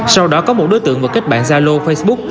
sau đó có một đối tượng và kết bạn zalo facebook